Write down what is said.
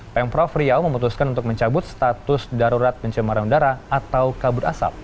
pemprov riau memutuskan untuk mencabut status darurat pencemaran udara atau kabut asap